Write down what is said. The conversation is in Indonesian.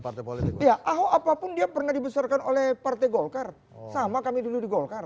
partai politik ya ahok apapun dia pernah dibesarkan oleh partai golkar sama kami dulu di golkar